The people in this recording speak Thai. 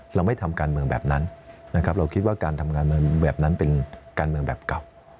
เราไม่ทำการเมืองแบบนั้นนะครับเราคิดว่าการทำการเมืองแบบนั้นเป็นการเมืองแบบเก่า